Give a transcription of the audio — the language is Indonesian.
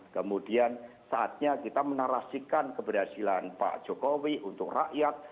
kemudian saatnya kita menarasikan keberhasilan pak jokowi untuk rakyat